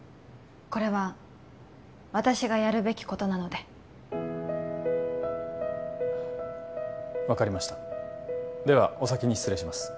これは私がやるべきことなので分かりましたではお先に失礼します